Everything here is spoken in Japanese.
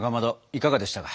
いかがでしたか？